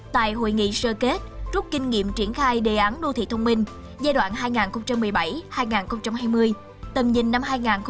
tại hội nghị sơ kết rút kinh nghiệm triển khai đề án đô thị thông minh giai đoạn hai nghìn một mươi bảy hai nghìn hai mươi tầm nhìn năm hai nghìn hai mươi năm